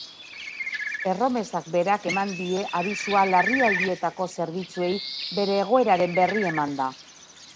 Erromesak berak eman dien abisua larrialdietako zerbitzuei bere egoeraren berri emanda.